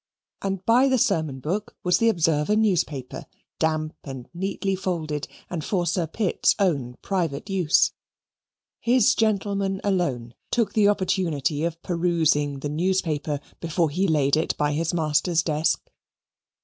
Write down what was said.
And by the sermon book was the Observer newspaper, damp and neatly folded, and for Sir Pitt's own private use. His gentleman alone took the opportunity of perusing the newspaper before he laid it by his master's desk.